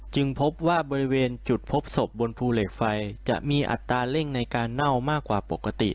พบว่าบริเวณจุดพบศพบนภูเหล็กไฟจะมีอัตราเร่งในการเน่ามากกว่าปกติ